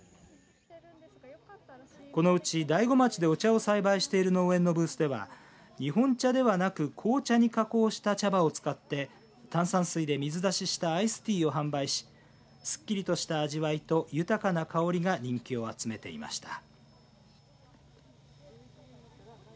このうち大子町でお茶を栽培している農園のブースでは日本茶ではなく紅茶に加工した茶葉を使って炭酸水で水出ししたアイスティーを販売しすっきりとした味わいと豊かな香りが人気を集めていました。